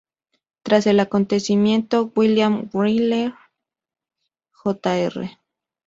Tras el acontecimiento, William Wrigley, Jr.